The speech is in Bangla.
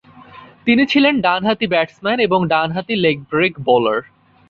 তিনি ছিলেন ডানহাতি ব্যাটসম্যান এবং ডানহাতি লেগ ব্রেক বোলার।